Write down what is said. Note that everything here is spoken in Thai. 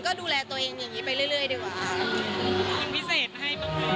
ก็ดูแลตัวเองอย่างนี้ไปเรื่อยดีกว่าค่ะ